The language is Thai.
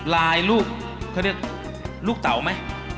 ลูกเขาเรียกลูกเต๋าไหม